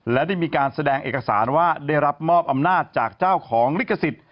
และได้มีการแสดงเอกสารว่าได้รับมอบอำนาจจากเจ้าของลิขสิทธิ์